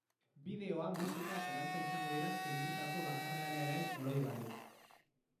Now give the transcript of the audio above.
Bideoa, musika eta dantza izango dira zendutako bakarlariaren oroigarri.